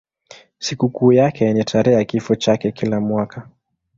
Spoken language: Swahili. Sikukuu yake ni tarehe ya kifo chake kila mwaka.